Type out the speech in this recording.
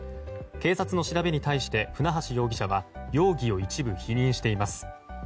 警察の調べに対して船橋容疑者は容疑を一部否認しています。